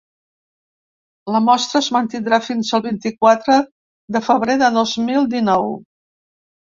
La mostra es mantindrà fins al vint-i-quatre de febrer de dos mil dinou.